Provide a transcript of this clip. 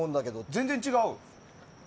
全然違う？